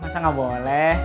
masa gak boleh